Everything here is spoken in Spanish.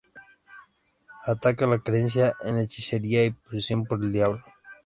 Ataca la creencia en hechicería y "posesión" por el diablo.